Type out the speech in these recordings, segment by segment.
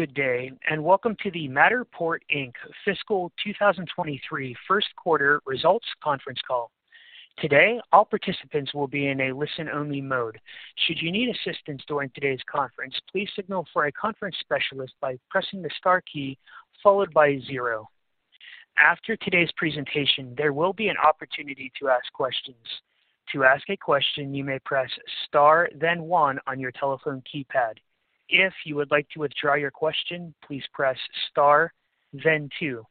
Good day, and welcome to the Matterport, Inc. Fiscal 2023 first quarter results conference call. Today, all participants will be in a listen-only mode. Should you need assistance during today's conference, please signal for a conference specialist by pressing the star key followed by zero. After today's presentation, there will be an opportunity to ask questions. To ask a question, you may press star then one on your telephone keypad. If you would like to withdraw your question, please press star then two.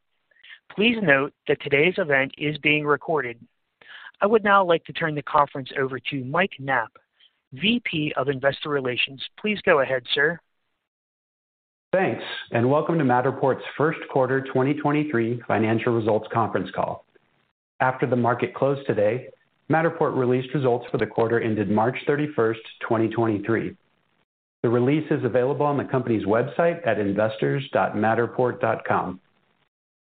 Please note that today's event is being recorded. I would now like to turn the conference over to Mike Knapp, VP of Investor Relations. Please go ahead, sir. Thanks, and welcome to Matterport's first quarter 2023 financial results conference call. After the market closed today, Matterport released results for the quarter ended March 31st, 2023. The release is available on the company's website at investors.matterport.com.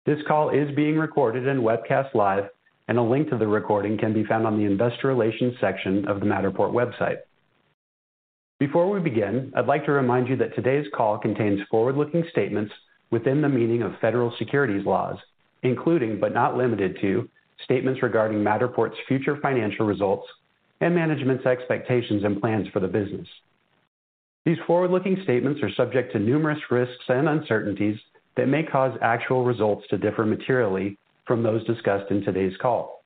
This call is being recorded and webcast live, and a link to the recording can be found on the investor relations section of the Matterport website. Before we begin, I'd like to remind you that today's call contains forward-looking statements within the meaning of federal securities laws, including, but not limited to, statements regarding Matterport's future financial results and management's expectations and plans for the business. These forward-looking statements are subject to numerous risks and uncertainties that may cause actual results to differ materially from those discussed in today's call.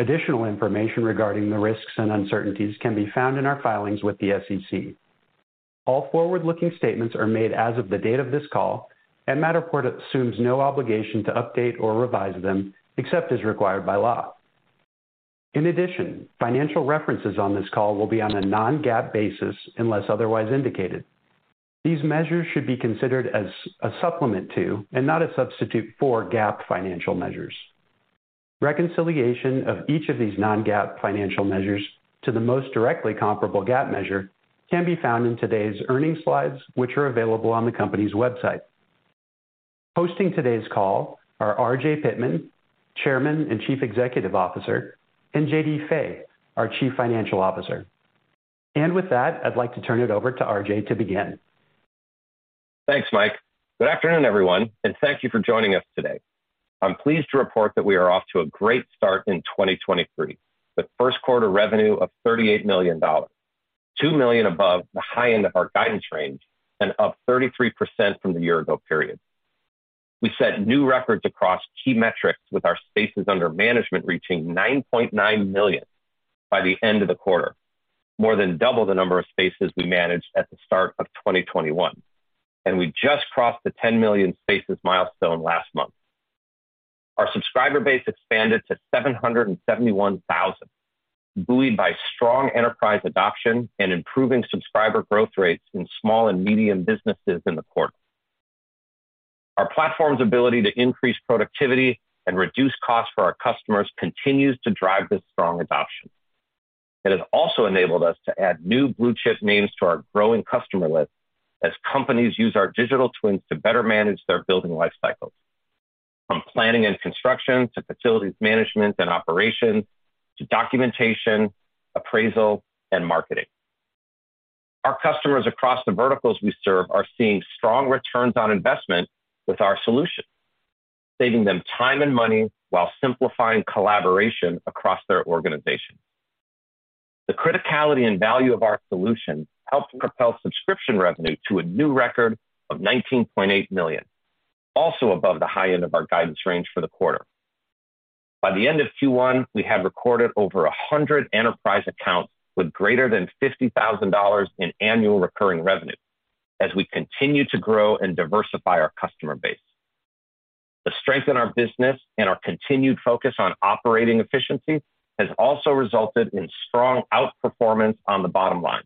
Additional information regarding the risks and uncertainties can be found in our filings with the SEC. All forward-looking statements are made as of the date of this call. Matterport assumes no obligation to update or revise them except as required by law. In addition, financial references on this call will be on a non-GAAP basis unless otherwise indicated. These measures should be considered as a supplement to, and not a substitute for, GAAP financial measures. Reconciliation of each of these non-GAAP financial measures to the most directly comparable GAAP measure can be found in today's earning slides, which are available on the company's website. Hosting today's call are RJ Pittman, Chairman and Chief Executive Officer, and JD Fay, our Chief Financial Officer. With that, I'd like to turn it over to RJ to begin. Thanks, Mike. Good afternoon, everyone, thank you for joining us today. I'm pleased to report that we are off to a great start in 2023 with first quarter revenue of $38 million, $2 million above the high end of our guidance range and up 33% from the year-ago period. We set new records across key metrics with our spaces under management reaching 9.9 million by the end of the quarter, more than double the number of spaces we managed at the start of 2021. We just crossed the 10 million spaces milestone last month. Our subscriber base expanded to 771,000, buoyed by strong enterprise adoption and improving subscriber growth rates in small and medium businesses in the quarter. Our platform's ability to increase productivity and reduce costs for our customers continues to drive this strong adoption. It has also enabled us to add new blue chip names to our growing customer list as companies use our digital twins to better manage their building life cycles, from planning and construction to facilities management and operations to documentation, appraisal, and marketing. Our customers across the verticals we serve are seeing strong returns on investment with our solution, saving them time and money while simplifying collaboration across their organization. The criticality and value of our solution helped propel subscription revenue to a new record of $19.8 million, also above the high end of our guidance range for the quarter. By the end of Q one, we had recorded over 100 enterprise accounts with greater than $50,000 in annual recurring revenue as we continue to grow and diversify our customer base. The strength in our business and our continued focus on operating efficiency has also resulted in strong outperformance on the bottom line.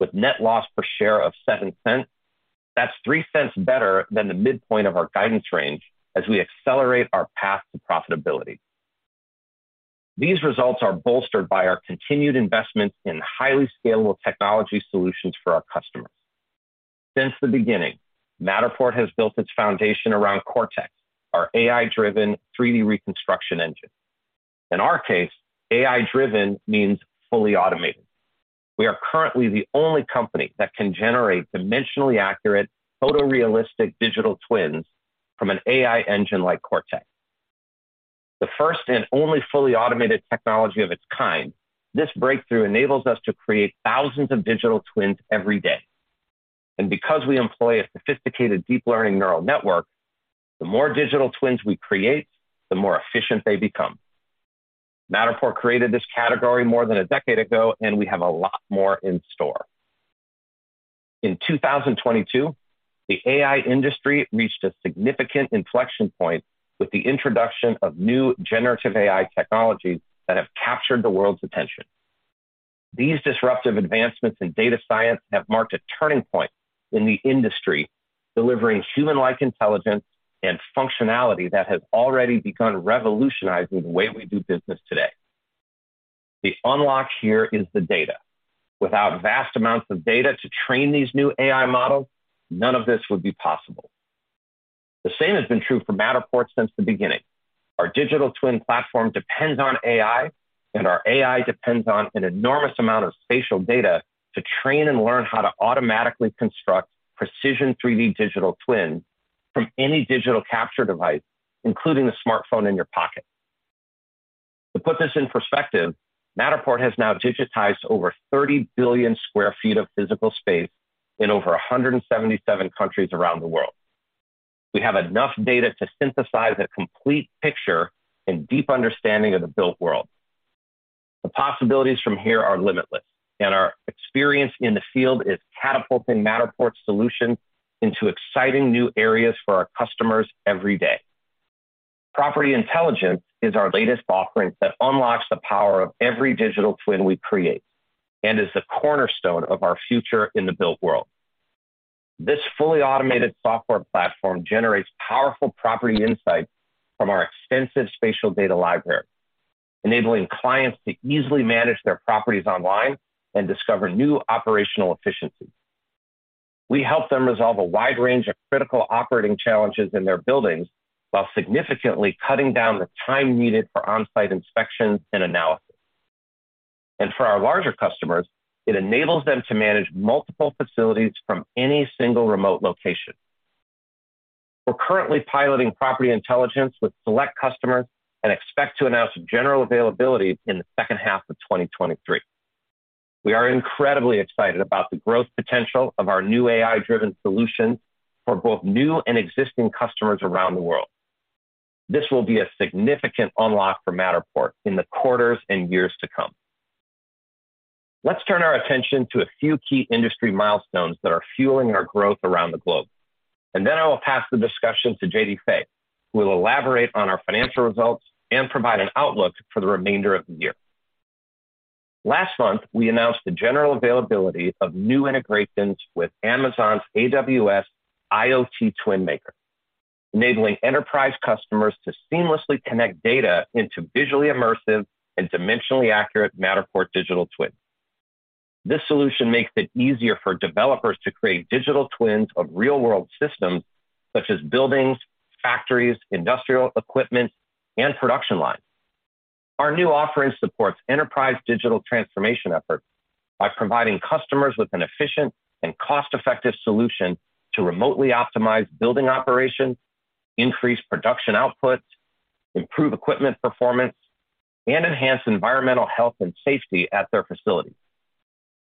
With net loss per share of $0.07, that's $0.03 better than the midpoint of our guidance range as we accelerate our path to profitability. These results are bolstered by our continued investments in highly scalable technology solutions for our customers. Since the beginning, Matterport has built its foundation around Cortex, our AI-driven 3D reconstruction engine. In our case, AI-driven means fully automated. We are currently the only company that can generate dimensionally accurate photorealistic digital twins from an AI engine like Cortex. The first and only fully automated technology of its kind, this breakthrough enables us to create thousands of digital twins every day. Because we employ a sophisticated deep learning neural network, the more digital twins we create, the more efficient they become. Matterport created this category more than a decade ago, and we have a lot more in store. In 2022, the AI industry reached a significant inflection point with the introduction of new generative AI technologies that have captured the world's attention. These disruptive advancements in data science have marked a turning point in the industry, delivering human-like intelligence and functionality that has already begun revolutionizing the way we do business today. The unlock here is the data. Without vast amounts of data to train these new AI models, none of this would be possible. The same has been true for Matterport since the beginning. Our digital twin platform depends on AI, and our AI depends on an enormous amount of spatial data to train and learn how to automatically construct precision 3D digital twins from any digital capture device, including the smartphone in your pocket. To put this in perspective, Matterport has now digitized over 30 billion sq ft of physical space in over 177 countries around the world. We have enough data to synthesize a complete picture and deep understanding of the built world. The possibilities from here are limitless, our experience in the field is catapulting Matterport's solution into exciting new areas for our customers every day. Property Intelligence is our latest offering that unlocks the power of every digital twin we create and is the cornerstone of our future in the built world. This fully automated software platform generates powerful property insights from our extensive spatial data library, enabling clients to easily manage their properties online and discover new operational efficiencies. We help them resolve a wide range of critical operating challenges in their buildings while significantly cutting down the time needed for on-site inspections and analysis. For our larger customers, it enables them to manage multiple facilities from any single remote location. We're currently piloting Property Intelligence with select customers and expect to announce general availability in the second half of 2023. We are incredibly excited about the growth potential of our new AI-driven solutions for both new and existing customers around the world. This will be a significant unlock for Matterport in the quarters and years to come. Let's turn our attention to a few key industry milestones that are fueling our growth around the globe, and then I will pass the discussion to JD Fay, who will elaborate on our financial results and provide an outlook for the remainder of the year. Last month, we announced the general availability of new integrations with Amazon's AWS IoT TwinMaker, enabling enterprise customers to seamlessly connect data into visually immersive and dimensionally accurate Matterport digital twins. This solution makes it easier for developers to create digital twins of real-world systems such as buildings, factories, industrial equipment, and production lines. Our new offering supports enterprise digital transformation efforts by providing customers with an efficient and cost-effective solution to remotely optimize building operations, increase production output, improve equipment performance, and enhance environmental health and safety at their facilities.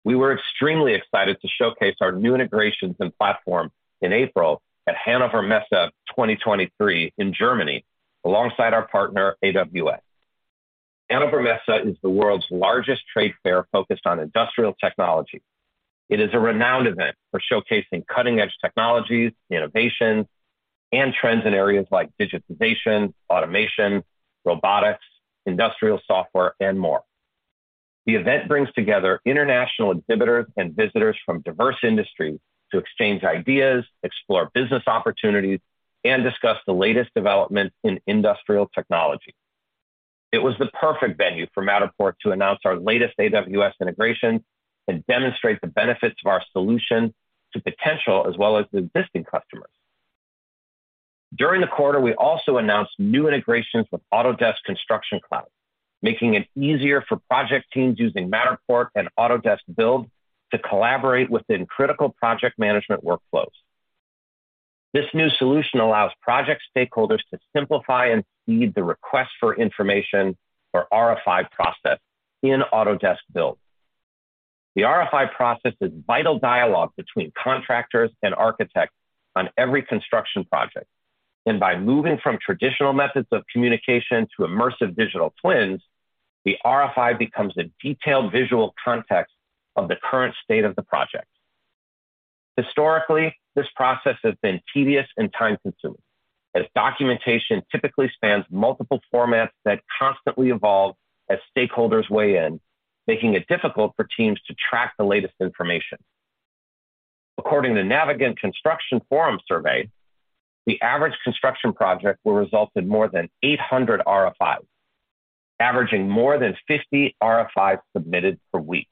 We were extremely excited to showcase our new integrations and platform in April at Hannover Messe 2023 in Germany, alongside our partner, AWS. Hannover Messe is the world's largest trade fair focused on industrial technology. It is a renowned event for showcasing cutting-edge technologies, innovation, and trends in areas like digitization, automation, robotics, industrial software, and more. The event brings together international exhibitors and visitors from diverse industries to exchange ideas, explore business opportunities, and discuss the latest developments in industrial technology. It was the perfect venue for Matterport to announce our latest AWS integrations and demonstrate the benefits of our solution to potential as well as existing customers. During the quarter, we also announced new integrations with Autodesk Construction Cloud, making it easier for project teams using Matterport and Autodesk Build to collaborate within critical project management workflows. This new solution allows project stakeholders to simplify and speed the request for information or RFI process in Autodesk Build. The RFI process is vital dialogue between contractors and architects on every construction project, and by moving from traditional methods of communication to immersive digital twins, the RFI becomes a detailed visual context of the current state of the project. Historically, this process has been tedious and time-consuming, as documentation typically spans multiple formats that constantly evolve as stakeholders weigh in, making it difficult for teams to track the latest information. According to Navigant Construction Forum Survey, the average construction project will result in more than 800 RFIs, averaging more than 50 RFIs submitted per week.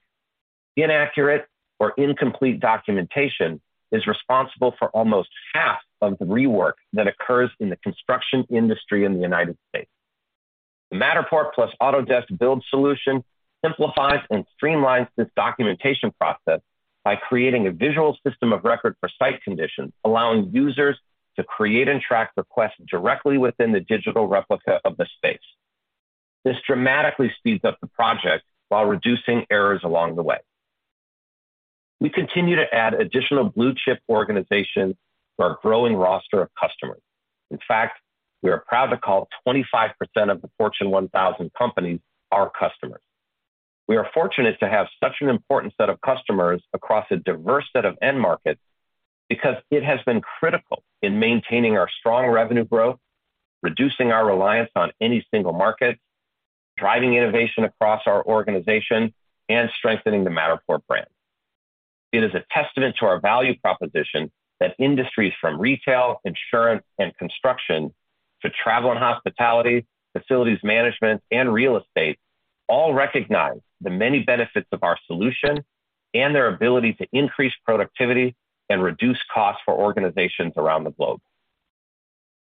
Inaccurate or incomplete documentation is responsible for almost half of the rework that occurs in the construction industry in the United States. The Matterport plus Autodesk Build solution simplifies and streamlines this documentation process by creating a visual system of record for site conditions, allowing users to create and track requests directly within the digital replica of the space. This dramatically speeds up the project while reducing errors along the way. We continue to add additional blue-chip organizations to our growing roster of customers. In fact, we are proud to call 25% of the Fortune 1,000 companies our customers. We are fortunate to have such an important set of customers across a diverse set of end markets because it has been critical in maintaining our strong revenue growth, reducing our reliance on any single market, driving innovation across our organization, and strengthening the Matterport brand. It is a testament to our value proposition that industries from retail, insurance, and construction, to travel and hospitality, facilities management, and real estate all recognize the many benefits of our solution and their ability to increase productivity and reduce costs for organizations around the globe.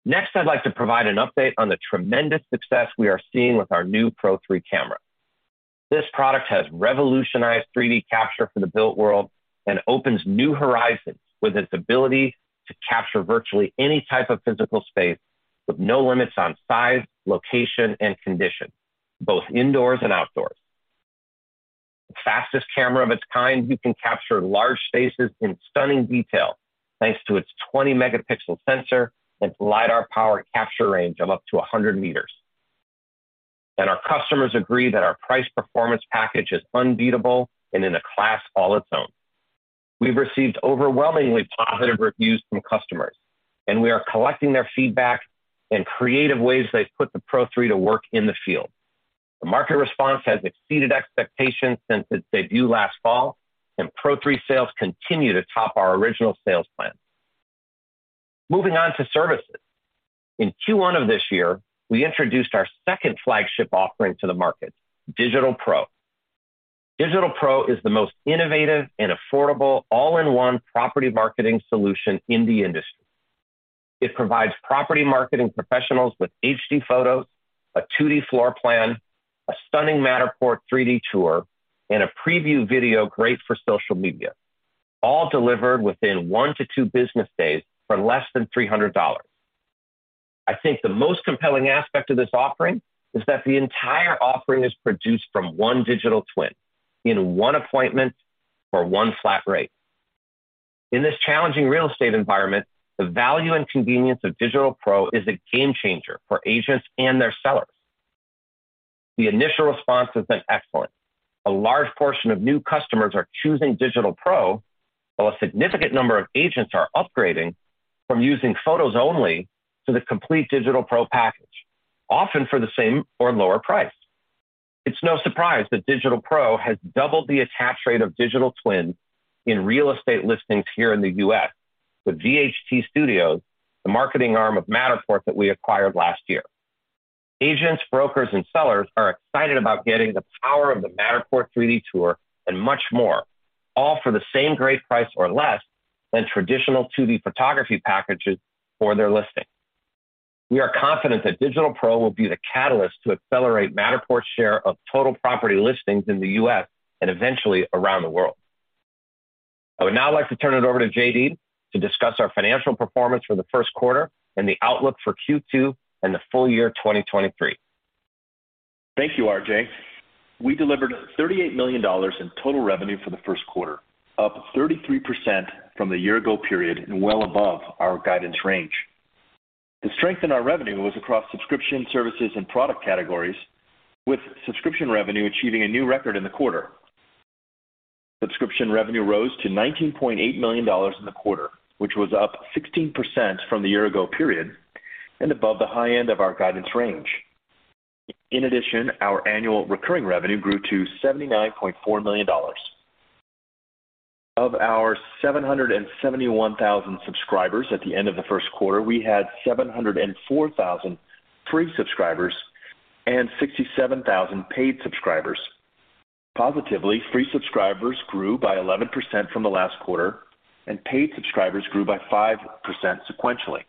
Next, I'd like to provide an update on the tremendous success we are seeing with our new Pro3 camera. This product has revolutionized 3D capture for the built world and opens new horizons with its ability to capture virtually any type of physical space with no limits on size, location, and condition, both indoors and outdoors. The fastest camera of its kind, you can capture large spaces in stunning detail thanks to its 20-megapixel sensor and LiDAR-powered capture range of up to 100 meters. Our customers agree that our price performance package is unbeatable and in a class all its own. We've received overwhelmingly positive reviews from customers, and we are collecting their feedback in creative ways they've put the Pro3 to work in the field. The market response has exceeded expectations since its debut last fall, and Pro3 sales continue to top our original sales plan. Moving on to services. In Q1 of this year, we introduced our second flagship offering to the market, Digital Pro. Digital Pro is the most innovative and affordable all-in-one property marketing solution in the industry. It provides property marketing professionals with HD photos, a 2D floor plan, a stunning Matterport 3D tour, and a preview video great for social media, all delivered within one to two business days for less than $300. I think the most compelling aspect of this offering is that the entire offering is produced from one digital twin in one appointment for one flat rate. In this challenging real estate environment, the value and convenience of Digital Pro is a game changer for agents and their sellers. The initial response has been excellent. A large portion of new customers are choosing Digital Pro, while a significant number of agents are upgrading from using photos only to the complete Digital Pro package, often for the same or lower price. It's no surprise that Digital Pro has doubled the attach rate of digital twins in real estate listings here in the U.S. with VHT Studios, the marketing arm of Matterport that we acquired last year. Agents, brokers, and sellers are excited about getting the power of the Matterport 3D tour and much more, all for the same great price or less than traditional 2D photography packages for their listing. We are confident that Digital Pro will be the catalyst to accelerate Matterport's share of total property listings in the U.S. and eventually around the world. I would now like to turn it over to JD to discuss our financial performance for the first quarter and the outlook for Q2 and the full year 2023. Thank you, RJ. We delivered $38 million in total revenue for the first quarter, up 33% from the year-ago period and well above our guidance range. The strength in our revenue was across subscription, services, and product categories, with subscription revenue achieving a new record in the quarter. Subscription revenue rose to $19.8 million in the quarter, which was up 16% from the year-ago period and above the high end of our guidance range. Our annual recurring revenue grew to $79.4 million. Of our 771,000 subscribers at the end of the first quarter, we had 704,000 free subscribers and 67,000 paid subscribers. Positively, free subscribers grew by 11% from the last quarter. Paid subscribers grew by 5% sequentially.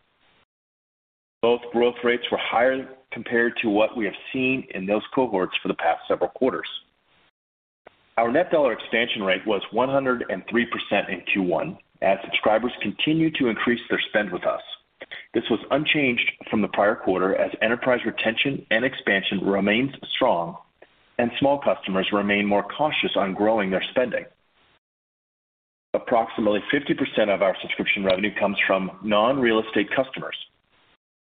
Both growth rates were higher compared to what we have seen in those cohorts for the past several quarters. Our net dollar expansion rate was 103% in Q1 as subscribers continued to increase their spend with us. This was unchanged from the prior quarter as enterprise retention and expansion remains strong and small customers remain more cautious on growing their spending. Approximately 50% of our subscription revenue comes from non-real estate customers.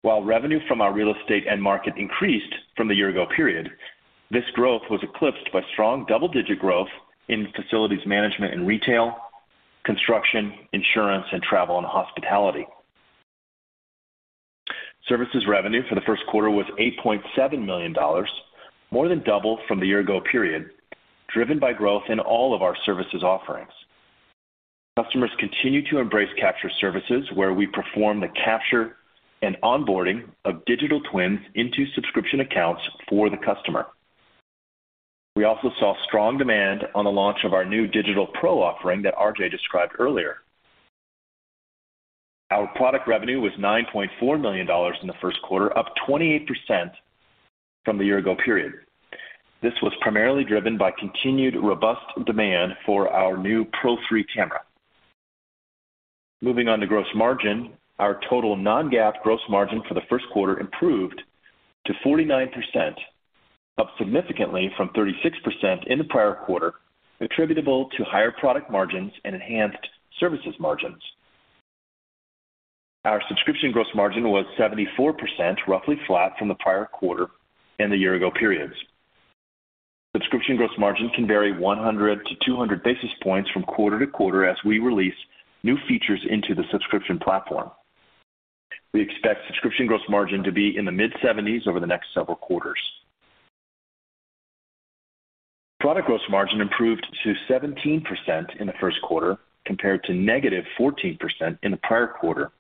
While revenue from our real estate end market increased from the year-ago period, this growth was eclipsed by strong double-digit growth in facilities management and retail, construction, insurance, and travel and hospitality. Services revenue for the first quarter was $8.7 million, more than double from the year-ago period, driven by growth in all of our services offerings. Customers continue to embrace capture services, where we perform the capture and onboarding of digital twins into subscription accounts for the customer. We also saw strong demand on the launch of our new Digital Pro offering that RJ described earlier. Our product revenue was $9.4 million in the first quarter, up 28% from the year-ago period. This was primarily driven by continued robust demand for our new Pro3 camera. Moving on to gross margin. Our total non-GAAP gross margin for the first quarter improved to 49%, up significantly from 36% in the prior quarter, attributable to higher product margins and enhanced services margins. Our subscription gross margin was 74%, roughly flat from the prior quarter and the year-ago periods. Subscription gross margins can vary 100-200 basis points from quarter to quarter as we release new features into the subscription platform. We expect subscription gross margin to be in the mid-70s over the next several quarters. Product gross margin improved to 17% in the first quarter compared to -14% in the prior quarter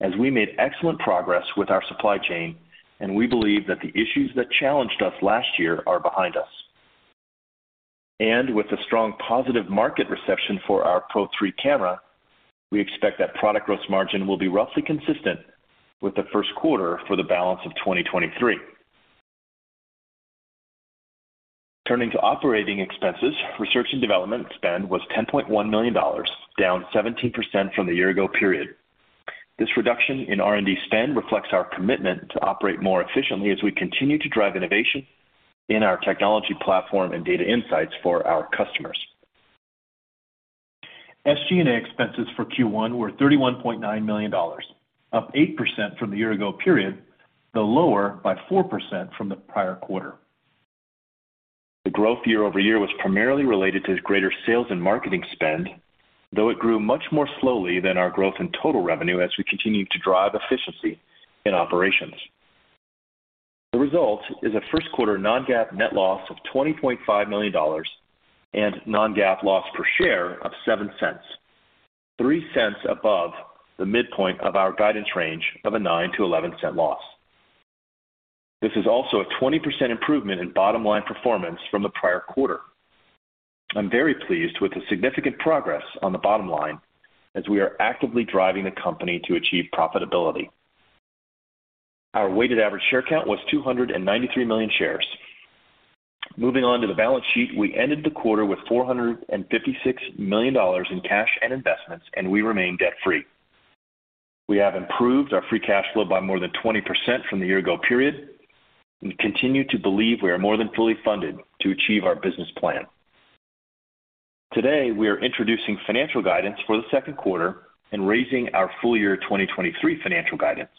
as we made excellent progress with our supply chain, and we believe that the issues that challenged us last year are behind us. With the strong positive market reception for our Pro3 camera, we expect that product gross margin will be roughly consistent with the first quarter for the balance of 2023. Turning to operating expenses, research and development spend was $10.1 million, down 17% from the year ago period. This reduction in R&D spend reflects our commitment to operate more efficiently as we continue to drive innovation in our technology platform and data insights for our customers. SG&A expenses for Q1 were $31.9 million, up 8% from the year-ago period, though lower by 4% from the prior quarter. The growth year-over-year was primarily related to greater sales and marketing spend, though it grew much more slowly than our growth in total revenue as we continue to drive efficiency in operations. The result is a first quarter non-GAAP net loss of $20.5 million and non-GAAP loss per share of $0.07, $0.03 above the midpoint of our guidance range of a $0.09-$0.11 loss. This is also a 20% improvement in bottom line performance from the prior quarter. I'm very pleased with the significant progress on the bottom line as we are actively driving the company to achieve profitability. Our weighted average share count was 293 million shares. Moving on to the balance sheet. We ended the quarter with $456 million in cash and investments, and we remain debt-free. We have improved our free cash flow by more than 20% from the year ago period and continue to believe we are more than fully funded to achieve our business plan. Today, we are introducing financial guidance for the second quarter and raising our full year 2023 financial guidance.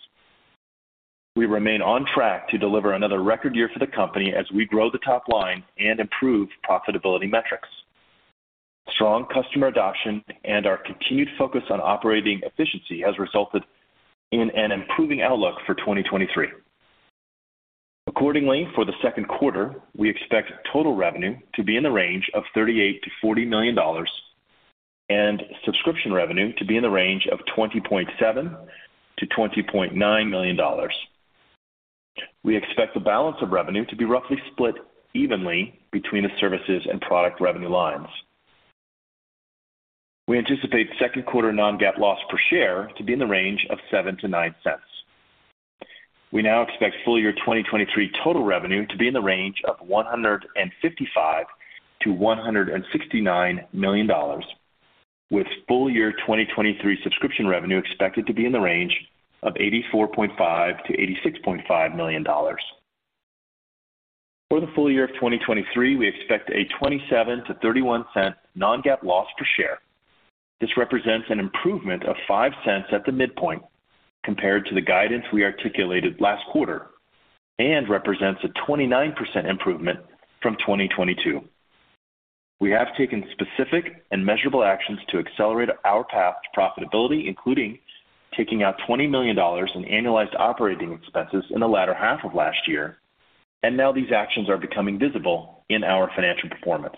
We remain on track to deliver another record year for the company as we grow the top line and improve profitability metrics. Strong customer adoption and our continued focus on operating efficiency has resulted in an improving outlook for 2023. Accordingly, for the second quarter, we expect total revenue to be in the range of $38 million-$40 million and subscription revenue to be in the range of $20.7 million-$20.9 million. We expect the balance of revenue to be roughly split evenly between the services and product revenue lines. We anticipate second quarter non-GAAP loss per share to be in the range of $0.07-$0.09. We now expect full year 2023 total revenue to be in the range of $155 million-$169 million, with full year 2023 subscription revenue expected to be in the range of $84.5 million-$86.5 million. For the full year of 2023, we expect a $0.27-$0.31 non-GAAP loss per share. This represents an improvement of $0.05 at the midpoint compared to the guidance we articulated last quarter and represents a 29% improvement from 2022. We have taken specific and measurable actions to accelerate our path to profitability, including taking out $20 million in annualized operating expenses in the latter half of last year. Now these actions are becoming visible in our financial performance.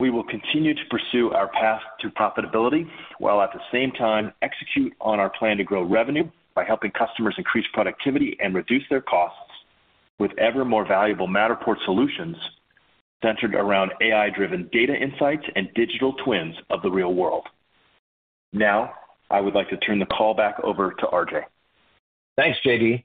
We will continue to pursue our path to profitability, while at the same time execute on our plan to grow revenue by helping customers increase productivity and reduce their costs with ever more valuable Matterport solutions centered around AI-driven data insights and digital twins of the real world. Now, I would like to turn the call back over to RJ. Thanks, JD.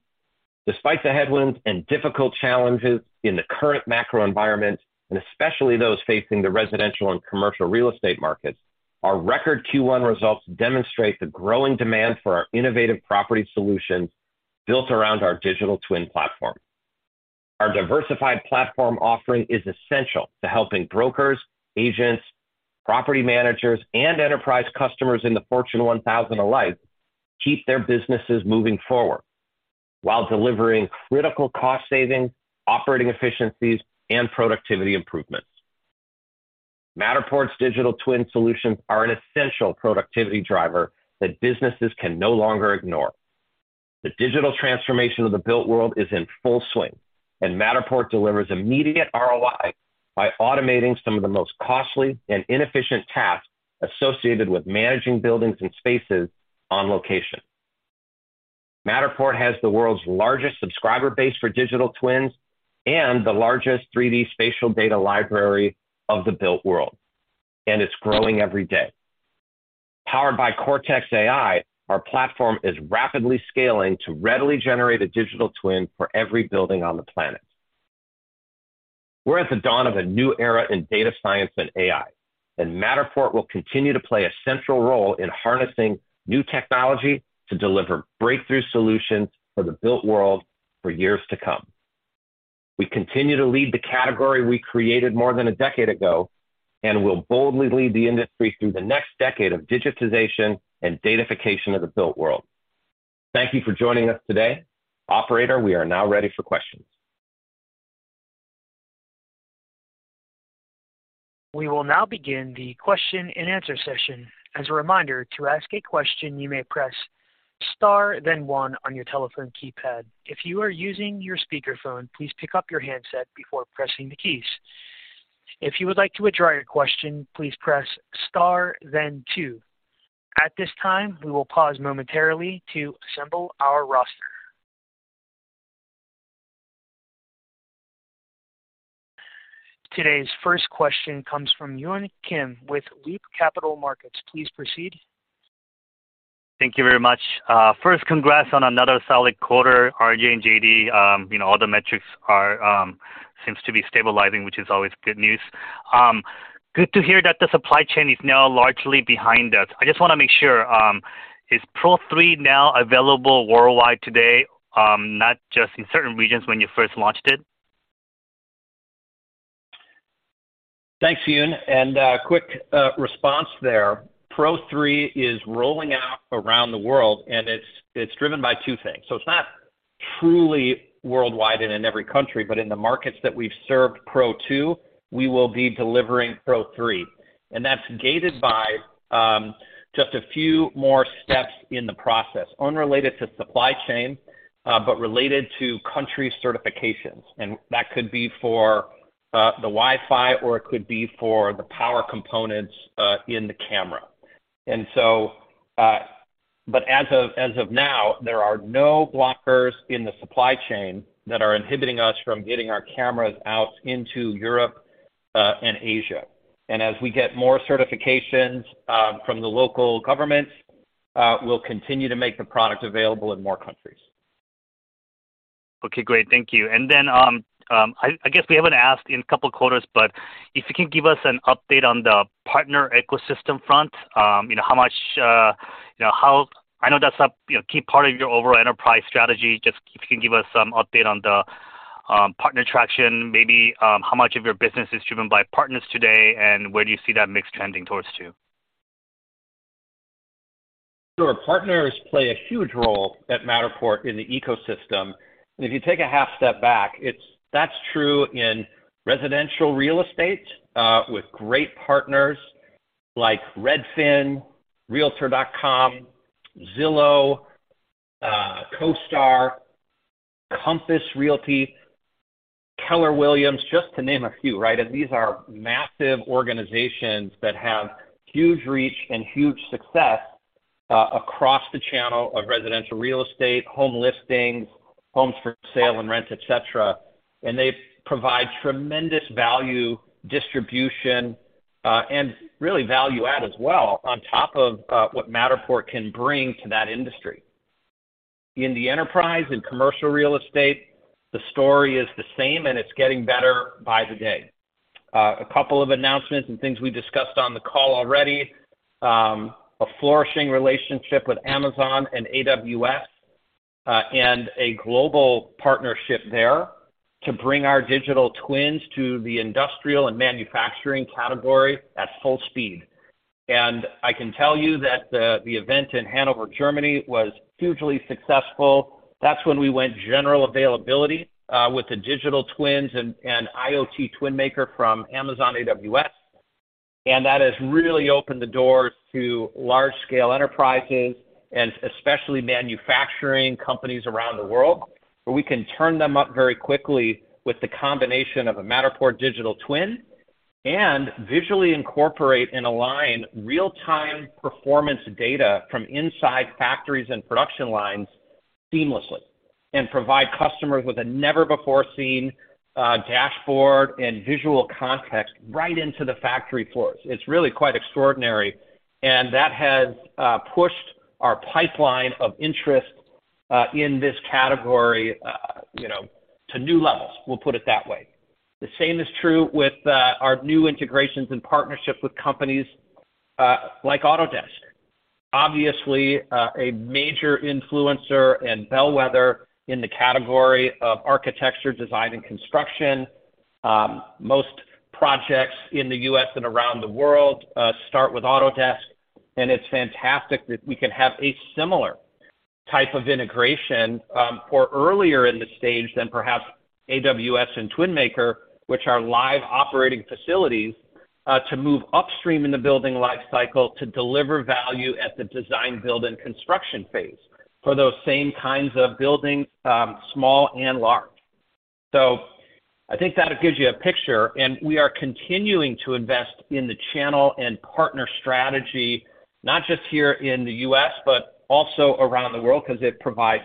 Despite the headwinds and difficult challenges in the current macro environment, and especially those facing the residential and commercial real estate markets, our record Q1 results demonstrate the growing demand for our innovative property solutions built around our digital twin platform. Our diversified platform offering is essential to helping brokers, agents, property managers, and enterprise customers in the Fortune 1,000 alike keep their businesses moving forward while delivering critical cost savings, operating efficiencies, and productivity improvements. Matterport's digital twin solutions are an essential productivity driver that businesses can no longer ignore. The digital transformation of the built world is in full swing. Matterport delivers immediate ROI by automating some of the most costly and inefficient tasks associated with managing buildings and spaces on location. Matterport has the world's largest subscriber base for digital twins and the largest three-D spatial data library of the built world, and it's growing every day. Powered by Cortex AI, our platform is rapidly scaling to readily generate a digital twin for every building on the planet. We're at the dawn of a new era in data science and AI, and Matterport will continue to play a central role in harnessing new technology to deliver breakthrough solutions for the built world for years to come. We continue to lead the category we created more than a decade ago and will boldly lead the industry through the next decade of digitization and datafication of the built world. Thank you for joining us today. Operator, we are now ready for questions. We will now begin the question-and-answer session. As a reminder, to ask a question, you may press star then one on your telephone keypad. If you are using your speakerphone, please pick up your handset before pressing the keys. If you would like to withdraw your question, please press star then two. At this time, we will pause momentarily to assemble our roster. Today's first question comes from Yun Kim with Loop Capital Markets. Please proceed. Thank you very much. First congrats on another solid quarter, RJ and JD. You know, all the metrics are, seems to be stabilizing, which is always good news. Good to hear that the supply chain is now largely behind us. I just wanna make sure, is Pro3 now available worldwide today, not just in certain regions when you first launched it? Thanks, Yun. Quick response there. Pro3 is rolling out around the world, and it's driven by two things. It's not truly worldwide and in every country, but in the markets that we've served Pro2, we will be delivering Pro3. That's gated by just a few more steps in the process, unrelated to supply chain, but related to country certifications. That could be for the Wi-Fi, or it could be for the power components in the camera. But as of now, there are no blockers in the supply chain that are inhibiting us from getting our cameras out into Europe and Asia. As we get more certifications from the local governments, we'll continue to make the product available in more countries. Okay, great. Thank you. I guess we haven't asked in a couple of quarters, but if you can give us an update on the partner ecosystem front, you know how much, you know. I know that's a, you know, key part of your overall enterprise strategy. Just if you can give us some update on the partner traction, maybe, how much of your business is driven by partners today, and where do you see that mix trending towards to? Sure. Partners play a huge role at Matterport in the ecosystem. If you take a half step back, that's true in residential real estate, with great partners like Redfin, Realtor.com, Zillow, CoStar, Compass Realty, Keller Williams, just to name a few, right? These are massive organizations that have huge reach and huge success across the channel of residential real estate, home listings, homes for sale and rent, et cetera. They provide tremendous value, distribution, and really value add as well on top of what Matterport can bring to that industry. In the enterprise and commercial real estate, the story is the same, and it's getting better by the day. A couple of announcements and things we discussed on the call already, a flourishing relationship with Amazon and AWS, and a global partnership there to bring our digital twins to the industrial and manufacturing category at full speed. I can tell you that the event in Hanover, Germany, was hugely successful. That's when we went general availability with the digital twins and IoT TwinMaker from Amazon AWS. That has really opened the doors to large scale enterprises and especially manufacturing companies around the world, where we can turn them up very quickly with the combination of a Matterport digital twin and visually incorporate and align real-time performance data from inside factories and production lines seamlessly, and provide customers with a never-before-seen dashboard and visual context right into the factory floors. It's really quite extraordinary. That has pushed our pipeline of interest in this category, you know, to new levels, we'll put it that way. The same is true with our new integrations and partnerships with companies like Autodesk. Obviously, a major influencer and bellwether in the category of architecture, design, and construction. Most projects in the U.S. and around the world start with Autodesk. It's fantastic that we can have a similar type of integration, or earlier in the stage than perhaps AWS and TwinMaker, which are live operating facilities, to move upstream in the building lifecycle to deliver value at the design, build, and construction phase for those same kinds of buildings, small and large. I think that gives you a picture, and we are continuing to invest in the channel and partner strategy, not just here in the U.S., but also around the world because it provides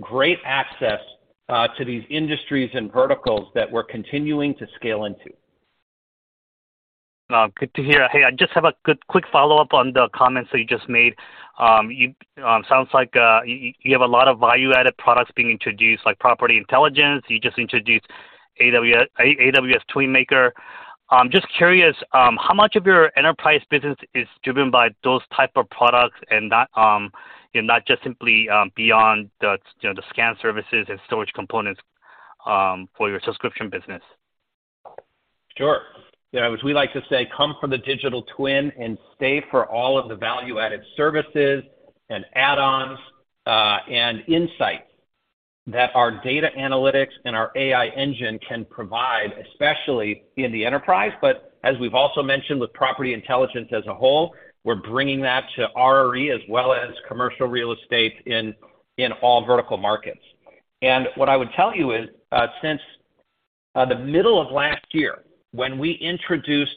great access to these industries and verticals that we're continuing to scale into. Good to hear. Hey, I just have a good quick follow-up on the comments that you just made. You, sounds like, you have a lot of value-added products being introduced, like Property Intelligence. You just introduced AWS TwinMaker. Just curious, how much of your enterprise business is driven by those type of products and not, you know, not just simply, beyond the, you know, the scan services and storage components, for your subscription business? Sure. You know, as we like to say, come for the digital twin and stay for all of the value-added services and add-ons, and insights that our data analytics and our AI engine can provide, especially in the enterprise. As we've also mentioned with Property Intelligence as a whole, we're bringing that to RRE as well as commercial real estate in all vertical markets. What I would tell you is, since the middle of last year, when we introduced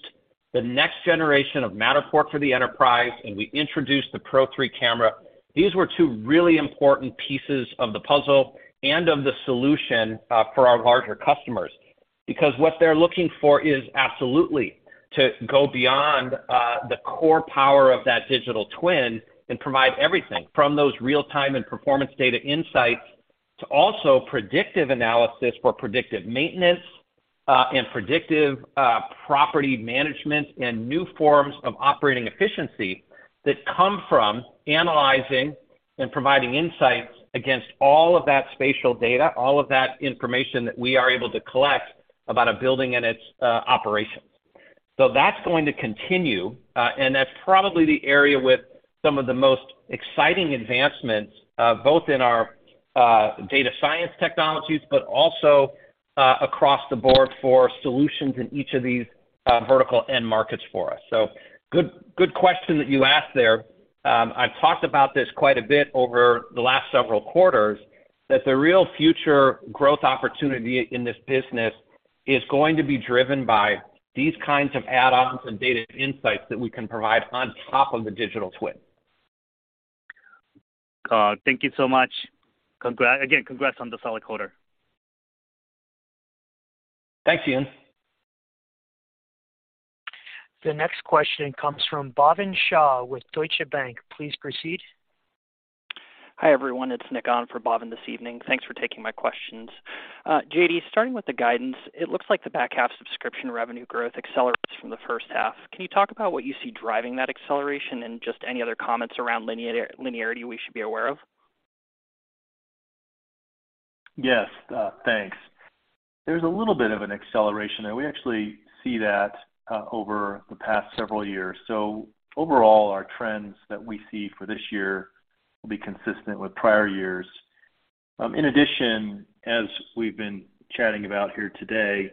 the next generation of Matterport for the enterprise, and we introduced the Pro3 camera, these were two really important pieces of the puzzle and of the solution, for our larger customers. Because what they're looking for is absolutely to go beyond the core power of that digital twin and provide everything from those real-time and performance data insights to also predictive analysis for predictive maintenance and predictive property management and new forms of operating efficiency that come from analyzing and providing insights against all of that spatial data, all of that information that we are able to collect about a building and its operations. That's going to continue. That's probably the area with some of the most exciting advancements both in our data science technologies, but also across the board for solutions in each of these vertical end markets for us. Good, good question that you asked there. I've talked about this quite a bit over the last several quarters, that the real future growth opportunity in this business is going to be driven by these kinds of add-ons and data insights that we can provide on top of the digital twin. Thank you so much. Again, congrats on the solid quarter. Thanks, Yun. The next question comes from Bhavin Shah with Deutsche Bank. Please proceed. Hi, everyone. It's Nick on for Bhavin this evening. Thanks for taking my questions. JD, starting with the guidance. It looks like the back half subscription revenue growth accelerates from the first half. Can you talk about what you see driving that acceleration and just any other comments around linearity we should be aware of? Thanks. There's a little bit of an acceleration there. We actually see that over the past several years. Overall, our trends that we see for this year will be consistent with prior years. As we've been chatting about here today,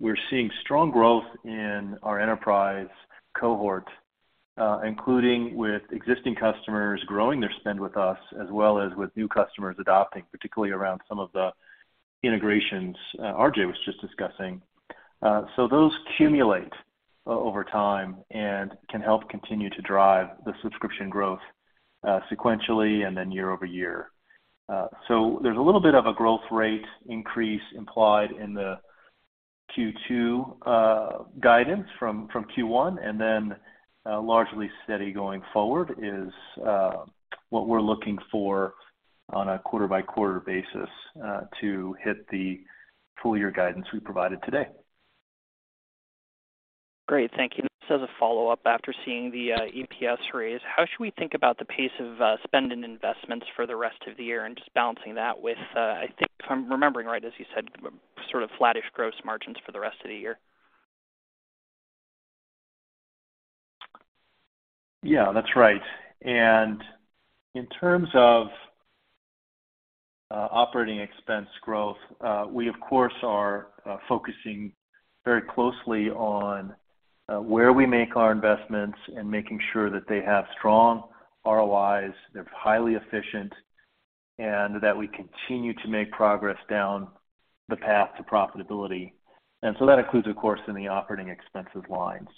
we're seeing strong growth in our enterprise cohort, including with existing customers growing their spend with us, as well as with new customers adopting, particularly around some of the integrations RJ was just discussing. Those cumulate over time and can help continue to drive the subscription growth sequentially and then year-over-year. There's a little bit of a growth rate increase implied in the Q2 guidance from Q1, and then, largely steady going forward is what we're looking for on a quarter-by-quarter basis to hit the full year guidance we provided today. Great. Thank you. Just as a follow-up after seeing the EPS raise, how should we think about the pace of spend and investments for the rest of the year and just balancing that with, I think if I'm remembering right, as you said, sort of flattish gross margins for the rest of the year? Yeah, that's right. In terms of operating expense growth, we of course are focusing very closely on where we make our investments and making sure that they have strong ROIs, they're highly efficient, and that we continue to make progress down the path to profitability. That includes, of course, in the operating expenses lines.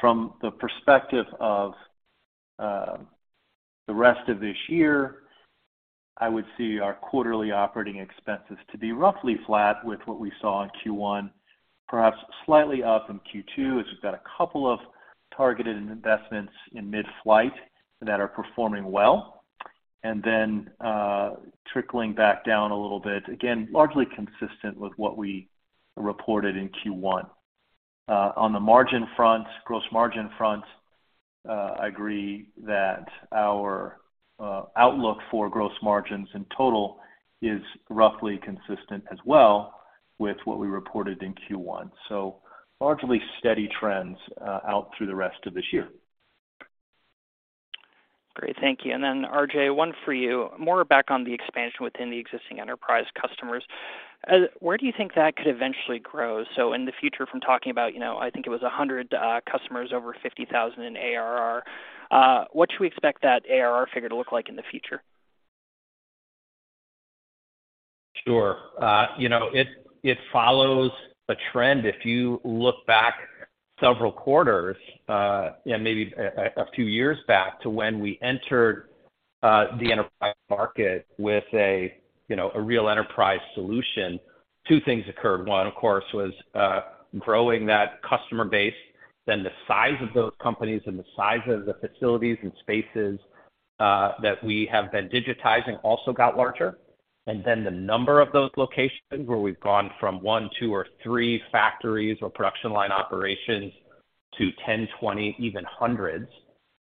From the perspective of the rest of this year, I would see our quarterly operating expenses to be roughly flat with what we saw in Q1, perhaps slightly up in Q2, as we've got a couple of targeted investments in mid-flight that are performing well, and then trickling back down a little bit, again, largely consistent with what we reported in Q1. On the gross margin front, I agree that our outlook for gross margins in total is roughly consistent as well with what we reported in Q1. Largely steady trends out through the rest of this year. Great. Thank you. Then RJ, one for you. More back on the expansion within the existing enterprise customers. Where do you think that could eventually grow? So in the future from talking about, you know, I think it was 100 customers over $50,000 in ARR, what should we expect that ARR figure to look like in the future? Sure. You know, it follows a trend. If you look back several quarters, and maybe a few years back to when we entered the enterprise market with a, you know, a real enterprise solution, two things occurred. One, of course, was growing that customer base, then the size of those companies and the size of the facilities and spaces that we have been digitizing also got larger. The number of those locations where we've gone from one, two or three factories or production line operations to 10, 20, even 100s,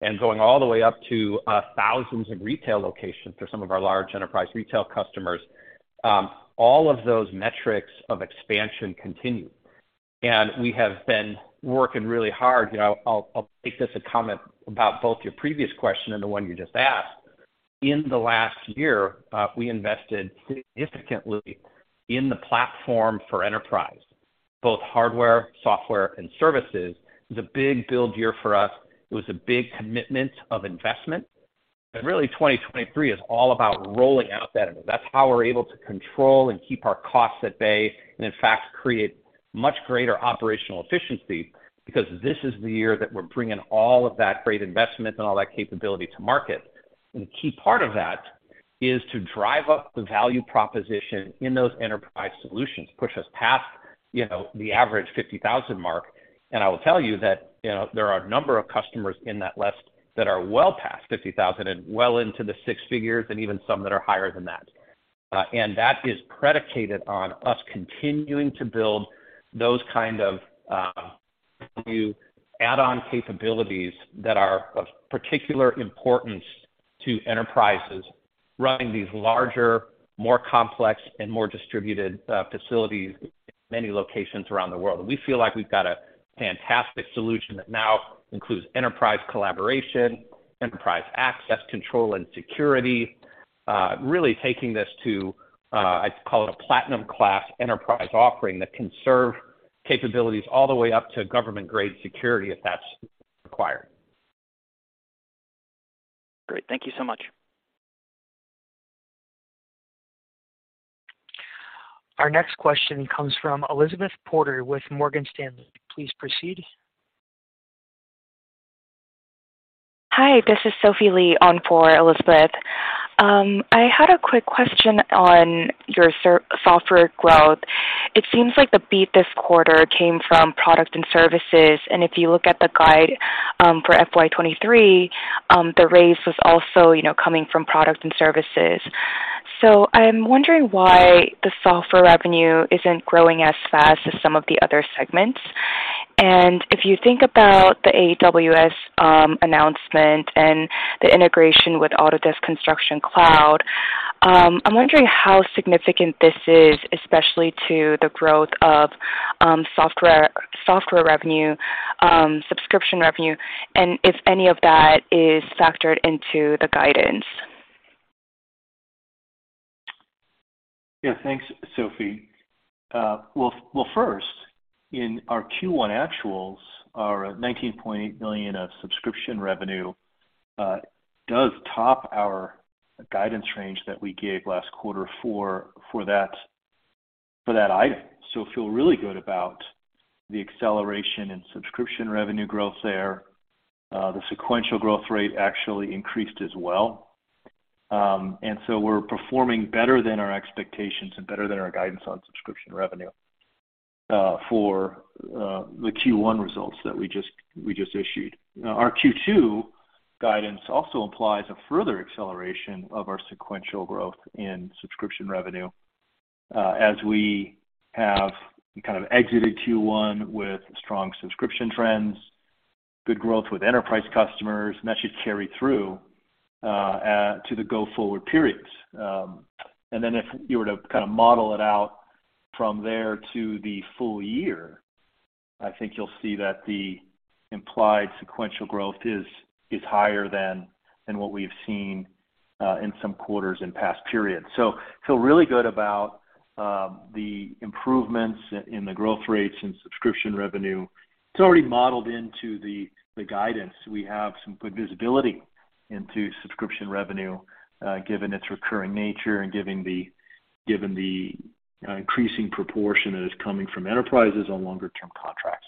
and going all the way up to thousands of retail locations for some of our large enterprise retail customers. All of those metrics of expansion continue. We have been working really hard. You know, I'll take this a comment about both your previous question and the one you just asked. In the last year, we invested significantly in the platform for enterprise, both hardware, software, and services. It was a big build year for us. It was a big commitment of investment. Really 2023 is all about rolling out that. That's how we're able to control and keep our costs at bay, and in fact, create much greater operational efficiency. This is the year that we're bringing all of that great investment and all that capability to market. A key part of that is to drive up the value proposition in those enterprise solutions, push us past, you know, the average $50,000 mark. I will tell you that, you know, there are a number of customers in that list that are well past 50,000 and well into the six figures, and even some that are higher than that. That is predicated on us continuing to build those kind of new add-on capabilities that are of particular importance to enterprises running these larger, more complex and more distributed facilities in many locations around the world. We feel like we've got a fantastic solution that now includes enterprise collaboration, enterprise access control, and security. Really taking this to, I'd call it a platinum class enterprise offering that can serve capabilities all the way up to government-grade security if that's required. Great. Thank you so much. Our next question comes from Elizabeth Porter with Morgan Stanley. Please proceed. Hi, this is Sophie Lee on for Elizabeth. I had a quick question on your software growth. It seems like the beat this quarter came from product and services. If you look at the guide for FY 2023, the raise was also, you know, coming from product and services. I'm wondering why the software revenue isn't growing as fast as some of the other segments. If you think about the AWS announcement and the integration with Autodesk Construction Cloud, I'm wondering how significant this is especially to the growth of software revenue, subscription revenue, and if any of that is factored into the guidance. Yeah. Thanks, Sophie. Well, first, in our Q1 actuals, our $19.8 million of subscription revenue does top our guidance range that we gave last quarter for that item. Feel really good about the acceleration in subscription revenue growth there. The sequential growth rate actually increased as well. We're performing better than our expectations and better than our guidance on subscription revenue for the Q1 results that we just issued. Our Q2 guidance also implies a further acceleration of our sequential growth in subscription revenue as we have kind of exited Q1 with strong subscription trends, good growth with enterprise customers, and that should carry through to the go-forward periods. If you were to kind of model it out from there to the full year, I think you'll see that the implied sequential growth is higher than what we've seen in some quarters in past periods. Feel really good about the improvements in the growth rates in subscription revenue. It's already modeled into the guidance. We have some good visibility into subscription revenue, given its recurring nature and given the increasing proportion that is coming from enterprises on longer term contracts.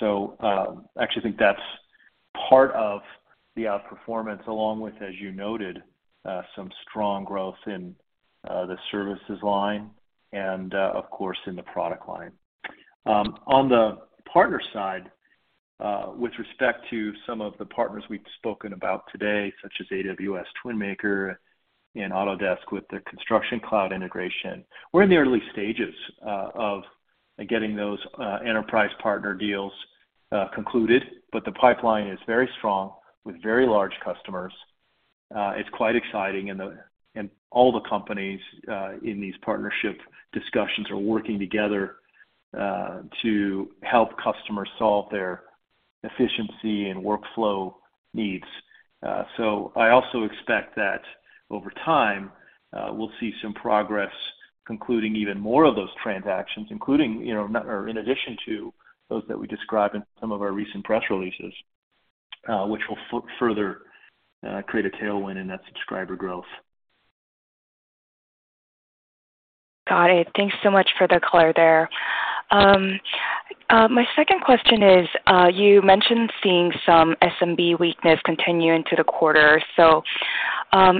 I actually think that's part of the outperformance, along with, as you noted, some strong growth in the services line and, of course, in the product line. On the partner side, with respect to some of the partners we've spoken about today, such as AWS IoT TwinMaker and Autodesk with the Autodesk Construction Cloud integration, we're in the early stages of getting those enterprise partner deals concluded. The pipeline is very strong with very large customers. It's quite exciting. All the companies in these partnership discussions are working together to help customers solve their efficiency and workflow needs. I also expect that over time, we'll see some progress concluding even more of those transactions, including, you know, or in addition to those that we described in some of our recent press releases, which will further create a tailwind in that subscriber growth. Got it. Thanks so much for the color there. My second question is, you mentioned seeing some SMB weakness continue into the quarter.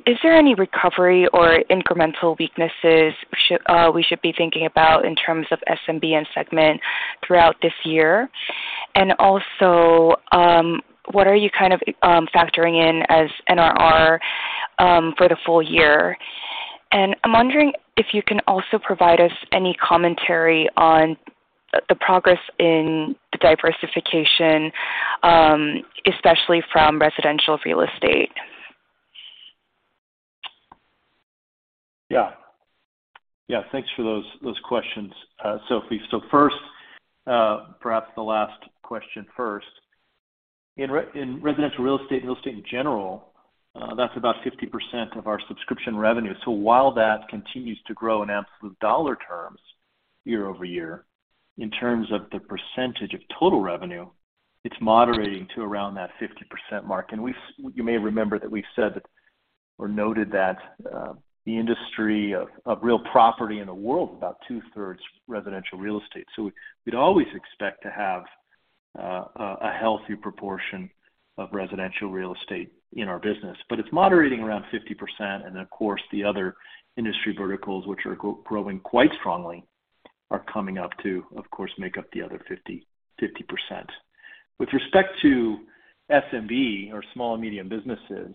Is there any recovery or incremental weaknesses we should be thinking about in terms of SMB and segment throughout this year? What are you kind of factoring in as NRR for the full year? I'm wondering if you can also provide us any commentary on the progress in the diversification, especially from residential real estate. Yeah, yeah, thanks for those questions, Sophie. First, perhaps the last question first. In residential real estate and real estate in general, that's about 50% of our subscription revenue. While that continues to grow in absolute $ terms year-over-year, in terms of the percentage of total revenue, it's moderating to around that 50% mark. You may remember that we've said or noted that the industry of real property in the world is about two-thirds residential real estate. We'd always expect to have a healthy proportion of residential real estate in our business. It's moderating around 50%. Of course, the other industry verticals, which are growing quite strongly, are coming up to, of course, make up the other 50%. With respect to SMB or small and medium businesses,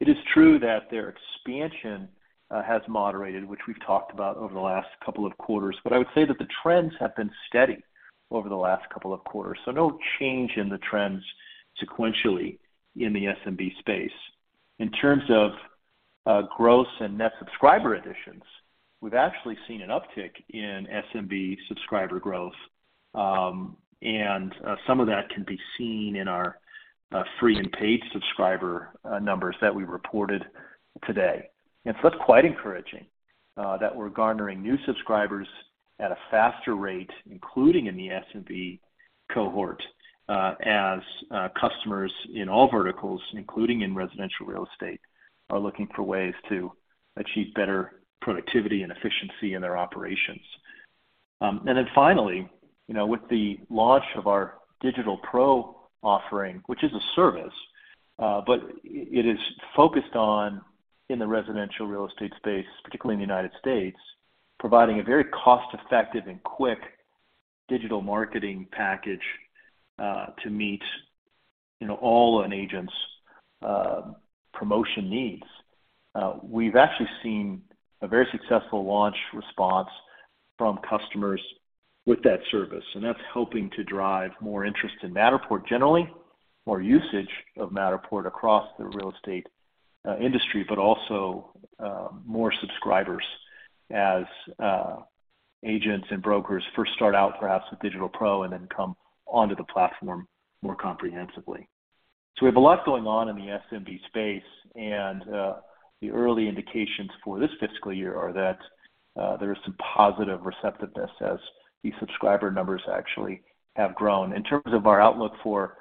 it is true that their expansion has moderated, which we've talked about over the last couple of quarters. I would say that the trends have been steady over the last couple of quarters, so no change in the trends sequentially in the SMB space. In terms of gross and net subscriber additions, we've actually seen an uptick in SMB subscriber growth, and some of that can be seen in our free and paid subscriber numbers that we reported today. That's quite encouraging that we're garnering new subscribers at a faster rate, including in the SMB cohort, as customers in all verticals, including in residential real estate, are looking for ways to achieve better productivity and efficiency in their operations. Then finally, you know, with the launch of our Digital Pro offering, which is a service, but it is focused on in the residential real estate space, particularly in the United States, providing a very cost-effective and quick digital marketing package, to meet, you know, all an agent's, promotion needs. We've actually seen a very successful launch response from customers with that service, and that's helping to drive more interest in Matterport generally, more usage of Matterport across the real estate, industry, but also, more subscribers as, agents and brokers first start out perhaps with Digital Pro and then come onto the platform more comprehensively. We have a lot going on in the SMB space, and, the early indications for this fiscal year are that, there is some positive receptiveness as the subscriber numbers actually have grown. In terms of our outlook for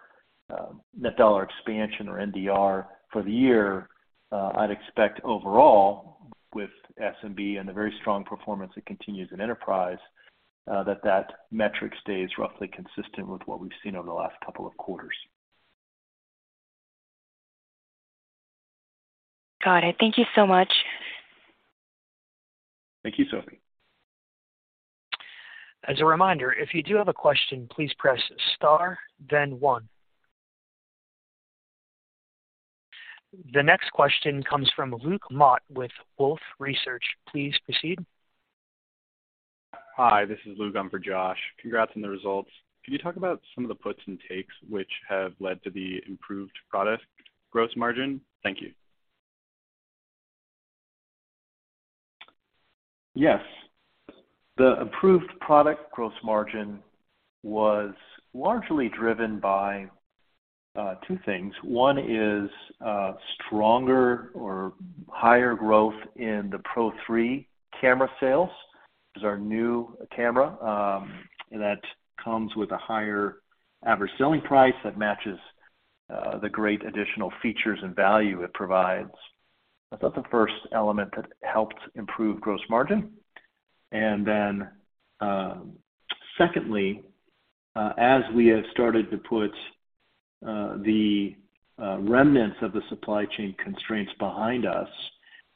net dollar expansion or NDR for the year, I'd expect overall with SMB and the very strong performance that continues in enterprise, that that metric stays roughly consistent with what we've seen over the last couple of quarters. Got it. Thank you so much. Thank you, Sophie. As a reminder, if you do have a question, please press star then one. The next question comes from Luke Mott with Wolfe Research. Please proceed. Hi, this is Luke. I'm for Josh. Congrats on the results. Can you talk about some of the puts and takes which have led to the improved product gross margin? Thank you. Yes. The improved product gross margin was largely driven by two things. One is stronger or higher growth in the Pro3 camera sales. This is our new camera that comes with a higher average selling price that matches the great additional features and value it provides. That's the first element that helped improve gross margin. Secondly, as we have started to put the remnants of the supply chain constraints behind us,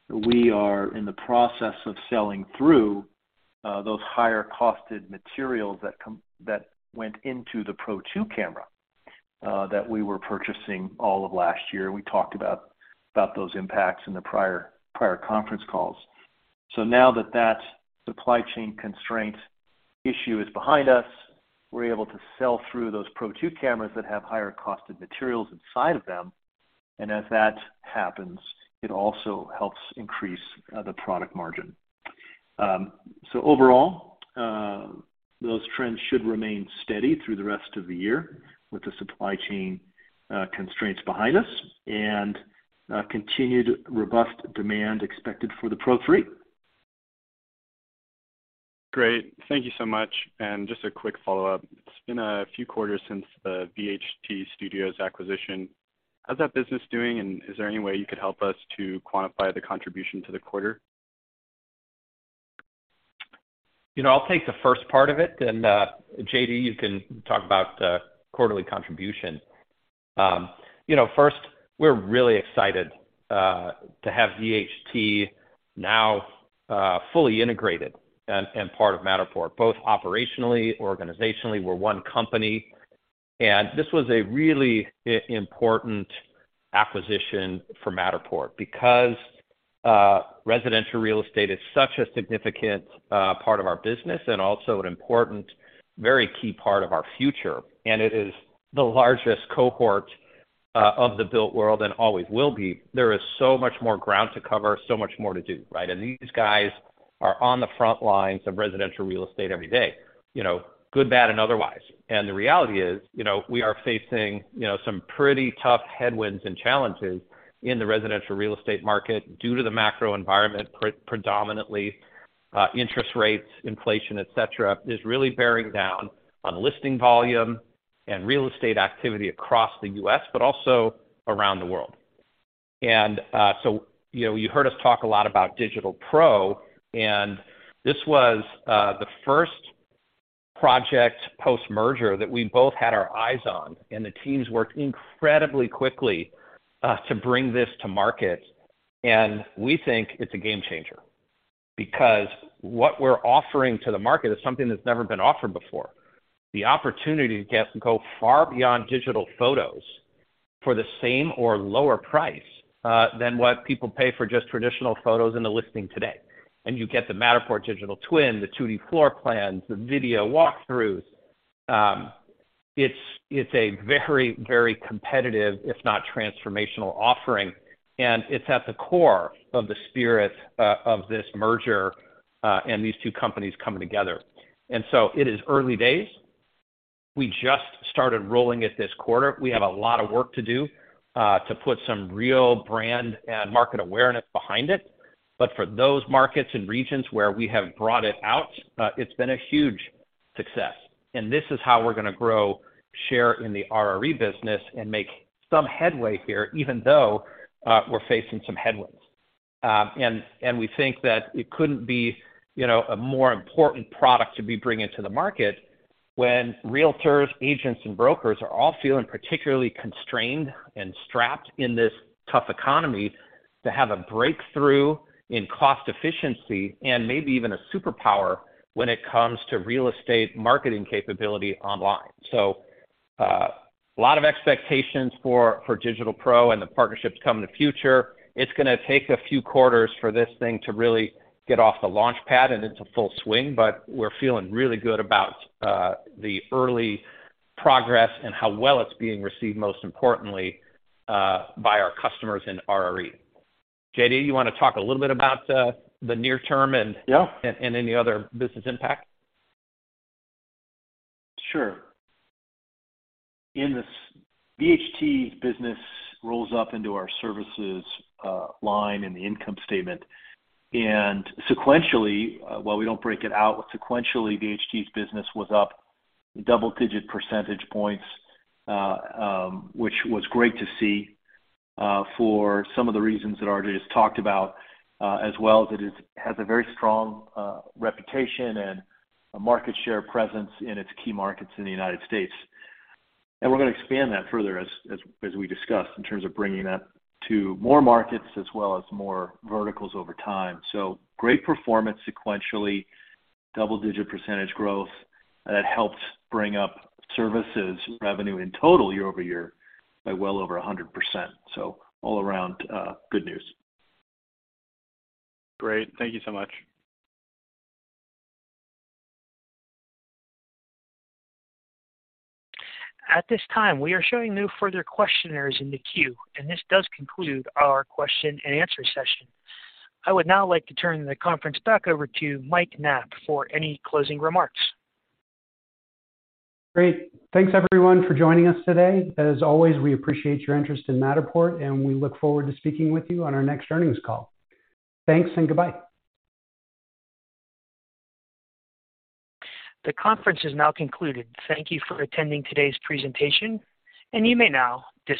we are in the process of selling through those higher-costed materials that went into the Pro2 camera that we were purchasing all of last year. We talked about those impacts in the prior conference calls. Now that that supply chain constraint issue is behind us, we're able to sell through those Pro2 cameras that have higher cost of materials inside of them. As that happens, it also helps increase the product margin. Overall, those trends should remain steady through the rest of the year with the supply chain constraints behind us and continued robust demand expected for the Pro3. Great. Thank you so much. Just a quick follow-up. It's been a few quarters since the VHT Studios acquisition. How's that business doing, and is there any way you could help us to quantify the contribution to the quarter? You know, I'll take the first part of it. JD, you can talk about the quarterly contribution. You know, first, we're really excited to have VHT now fully integrated and part of Matterport, both operationally, organizationally, we're one company. This was a really important acquisition for Matterport because residential real estate is such a significant part of our business and also an important, very key part of our future. It is the largest cohort of the built world and always will be. There is so much more ground to cover, so much more to do, right? These guys are on the front lines of residential real estate every day, you know, good, bad, and otherwise. The reality is, you know, we are facing, you know, some pretty tough headwinds and challenges in the residential real estate market due to the macro environment, pre-predominantly, interest rates, inflation, et cetera, is really bearing down on listing volume and real estate activity across the U.S., but also around the world. So, you know, you heard us talk a lot about Digital Pro, and this was the first project post-merger that we both had our eyes on, and the teams worked incredibly quickly to bring this to market. We think it's a game changer because what we're offering to the market is something that's never been offered before. The opportunity to get and go far beyond digital photos for the same or lower price than what people pay for just traditional photos in the listing today. You get the Matterport digital twin, the 2D floor plans, the video walkthroughs. It's, it's a very, very competitive, if not transformational offering, and it's at the core of the spirit of this merger and these two companies coming together. It is early days. We just started rolling it this quarter. We have a lot of work to do to put some real brand and market awareness behind it. For those markets and regions where we have brought it out, it's been a huge success. This is how we're gonna grow, share in the RRE business and make some headway here, even though we're facing some headwinds. We think that it couldn't be, you know, a more important product to be bringing to the market when realtors, agents, and brokers are all feeling particularly constrained and strapped in this tough economy to have a breakthrough in cost efficiency and maybe even a superpower when it comes to real estate marketing capability online. A lot of expectations for Digital Pro and the partnerships come in the future. It's gonna take a few quarters for this thing to really get off the launch pad, and it's in full swing, but we're feeling really good about the early progress and how well it's being received, most importantly, by our customers in RRE. JD, you wanna talk a little bit about the near term. Yeah. any other business impact? Sure. VHT business rolls up into our services line in the income statement. Sequentially, while we don't break it out sequentially, VHT's business was up double-digit percentage points, which was great to see for some of the reasons that RJ just talked about, as well as it has a very strong reputation and a market share presence in its key markets in the United States. We're gonna expand that further as we discussed, in terms of bringing that to more markets as well as more verticals over time. Great performance sequentially, double-digit percentage growth, and it helps bring up services revenue in total year-over-year by well over 100%. All around, good news. Great. Thank you so much. At this time, we are showing no further questioners in the queue, and this does conclude our question and answer session. I would now like to turn the conference back over to Mike Knapp for any closing remarks. Great. Thanks everyone for joining us today. As always, we appreciate your interest in Matterport, and we look forward to speaking with you on our next earnings call. Thanks and goodbye. The conference is now concluded. Thank you for attending today's presentation, and you may now disconnect.